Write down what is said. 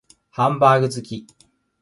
ハンバーグ好き